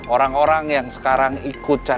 orang orang yang sekarang ikut cari darman